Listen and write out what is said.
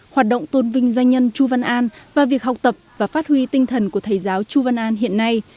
hoạt động tôn vinh doanh nhân chu văn an và việc học tập và phát huy tinh thần của thầy giáo chu văn an hiện nay